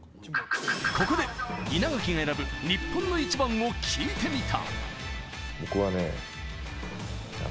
ここで稲垣が選ぶ日本のイチバンを聞いてみた。